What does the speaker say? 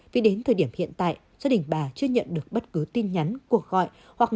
vì đến thời điểm hiện tại gia đình bà chưa nhận được bất cứ tin nhắn cuộc gọi